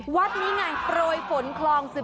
วัดนี้ไงโปรยฝนคลอง๑๑